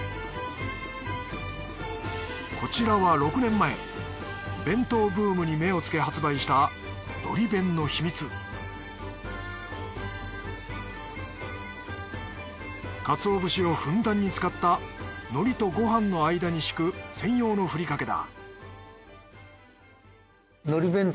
こちらは６年前弁当ブームに目をつけ発売した鰹節をふんだんに使ったのりとごはんの間に敷く専用のふりかけだ